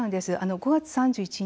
５月３１日